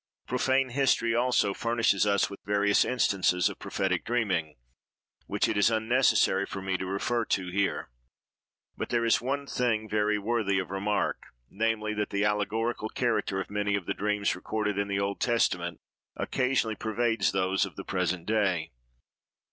Profane history, also, furnishes us with various instances of prophetic dreaming, which it is unnecessary for me to refer to here. But there is one thing very worthy of remark, namely, that the allegorical character of many of the dreams recorded in the Old Testament, occasionally pervades those of the present day.